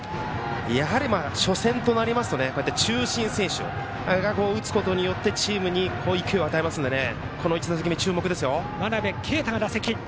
やはり初戦となりますと中心選手が打つことによってチームに勢いを与えますのでこの１打席目、注目です。